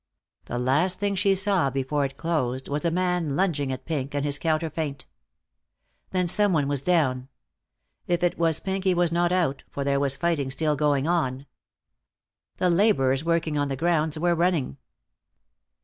The last thing she saw before it closed was a man lunging at Pink, and his counter feint. Then some one was down. If it was Pink he was not out, for there was fighting still going on. The laborers working on the grounds were running.